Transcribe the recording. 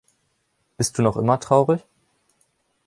Bist du noch immer traurig?